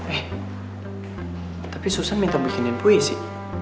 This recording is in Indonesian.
eh tapi susah minta bikinin puisi